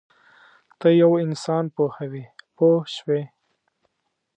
ته یو انسان پوهوې پوه شوې!.